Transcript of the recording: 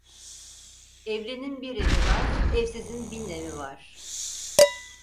Evlinin bir evi var, evsizin bin evi var.